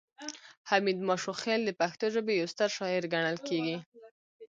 حمید ماشوخیل د پښتو ژبې یو ستر شاعر ګڼل کیږي